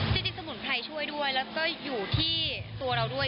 สมุนไพรช่วยด้วยแล้วก็อยู่ที่ตัวเราด้วย